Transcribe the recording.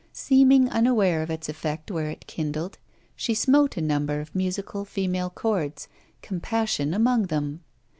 Seeming unaware of its effect where it kindled, she smote a number of musical female chords, compassion among them.